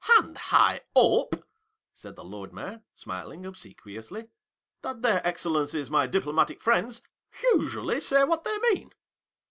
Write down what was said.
And I hope," said the Lord Mayor, smiling obsequiously, "that their Excellencies my diplomatic friends, usually say what they mean